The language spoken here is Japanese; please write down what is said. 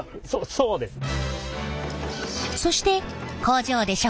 そうですね。